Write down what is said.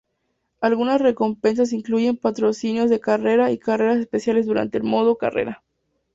Algunas recompensas incluyen patrocinios de carreras y carreras especiales durante el modo carrera.